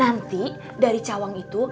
nanti dari cawang itu